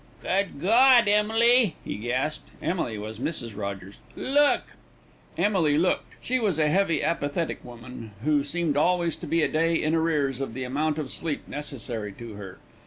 "Good God! Emily," he gasped (Emily was Mrs. Rogers), "look!" Emily looked. She was a heavy, apathetic woman, who seemed always to be a day in arrears of the amount of sleep necessary to her.